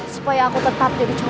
supaya aku tetap jadi cukup